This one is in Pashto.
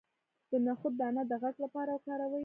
د نخود دانه د غږ لپاره وکاروئ